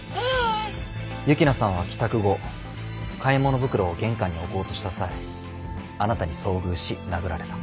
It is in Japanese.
幸那さんは帰宅後買い物袋を玄関に置こうとした際あなたに遭遇し殴られた。